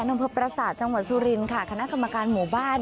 อำเภอประสาทจังหวัดสุรินค่ะคณะกรรมการหมู่บ้าน